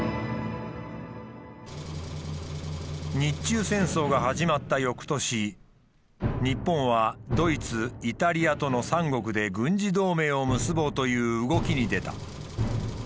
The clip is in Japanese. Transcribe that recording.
日中戦争が始まった翌年日本はドイツイタリアとの三国で軍事同盟を結ぼうという動きに出た。